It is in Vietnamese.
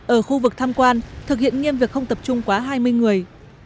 ở khu vực tham quan thực hiện nghiêm việc không tập trung quá hai mươi người